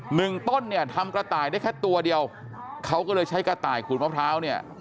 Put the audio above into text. หนึ่งต้นเนี่ยทำกระต่ายได้แค่ตัวเดียวเขาก็เลยใช้กระต่ายขูดมะพร้าวเนี่ย